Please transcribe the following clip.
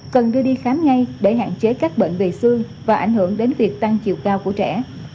cần đưa đi khám ngay để hạn chế các bệnh về xương và ảnh hưởng đến việc tăng chiều cao của trẻ